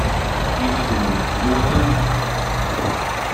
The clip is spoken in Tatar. Ни газизрәк - бу ватанмы?